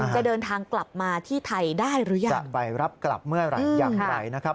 จะเดินทางกลับมาที่ไทยได้หรือไม่อยากไปรับกลับเมื่ออย่างไร